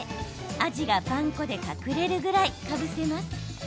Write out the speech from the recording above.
アジがパン粉で隠れるぐらいかぶせます。